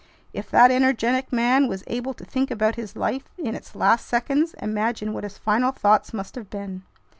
If that energetic man was able to think about his life in its last seconds, imagine what his final thoughts must have been!"